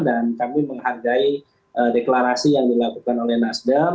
dan kami menghargai deklarasi yang dilakukan oleh nasdem